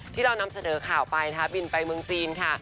ที่เรานำเสนอข่าวไปนะคะบินไปเมืองจีนค่ะ